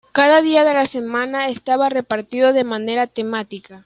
Cada día de la semana estaba repartido de manera temática.